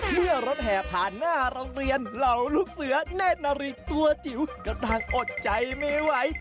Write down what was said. เมื่อรถแห่ผ่านหน้าโรงเรียนเหล่าลูกเสือเนธนาริกตัวจิ๋วก็ต่างอดใจไม่ไหว